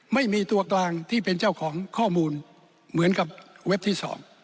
ไม่มีตัวกลางที่เป็นเจ้าของข้อมูลเหมือนกับเว็บที่๒